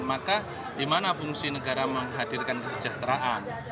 maka dimana fungsi negara menghadirkan kesejahteraan